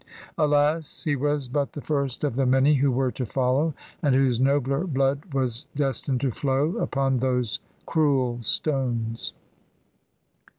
Alas! he was but the first of the many who were to follow, and whose nobler blood was destined to flow upon those cruel stones.